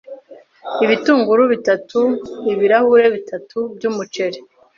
ibitunguru bitatu, ibirahure bitatu by’umuceri,